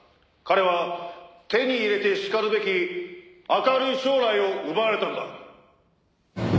彼は手に入れてしかるべき明るい将来を奪われたんだ。